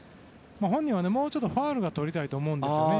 本人はもうちょっとファウルをとりたいと思うんですよね。